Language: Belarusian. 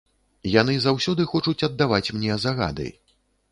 Яны заўсёды хочуць аддаваць мне загады.